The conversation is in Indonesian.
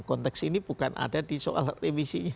konteks ini bukan ada di soal revisinya